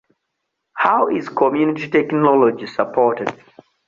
How is Community Technology supported?